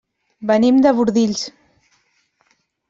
Venim de Bordils.